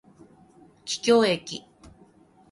桔梗駅